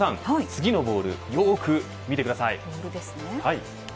次のボールよーく見てください。